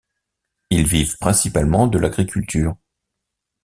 Ils vivent principalement de l'agriculture.